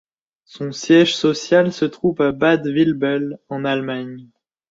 Son siège social se trouve à Bad Vilbel, en Allemagne.